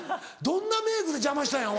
どんなメイクで邪魔したんや？